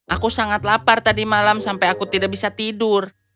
aku sangat lapar tadi malam sampai aku tidak bisa tidur